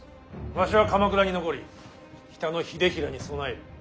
わしは鎌倉に残り北の秀衡に備える。